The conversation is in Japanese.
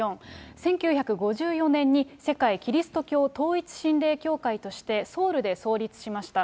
１９５４年に世界基督教統一神霊協会としてソウルで創立しました。